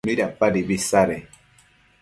¿midapadibi isade?